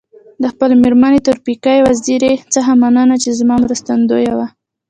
د خپلي مېرمني تورپیکۍ وزيري څخه مننه چي زما مرستندويه وه.